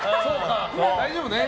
大丈夫ね。